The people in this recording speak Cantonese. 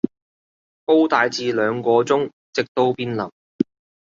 煲大致兩個鐘，直到變腍